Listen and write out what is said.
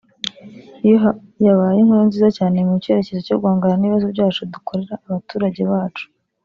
Iyo yabaye inkuru nziza cyane mu cyerekezo cyo guhangana n’ibibazo byacu dukorera abaturage bacu